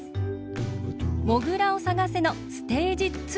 「モグラをさがせ」のステージ２！